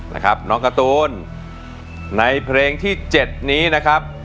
นะครับน้องการ์ตูนในเพลงที่๗นี้นะครับ